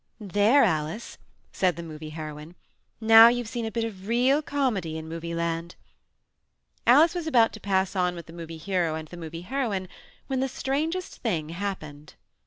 "There, Alice," said the Movie Heroine. "Now you've seen a bit of real comedy in Movie Land." Alice was about to pass on with the Movie Hero and the Movie Heroine when the strangest thing happened.